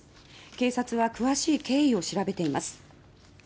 警察は詳しい経緯を調べています。